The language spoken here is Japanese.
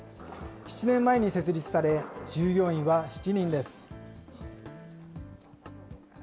７年前に設立され、従業員は７人です。